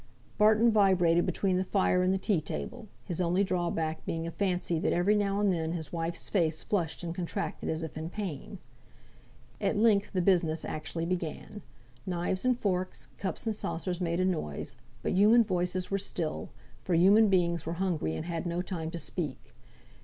Barton vibrated between the fire and the tea table, his only drawback being a fancy that every now and then his wife's face flushed and contracted as if in pain. At length the business actually began. Knives and forks, cups and saucers made a noise, but human voices were still, for human beings were hungry, and had no time to speak.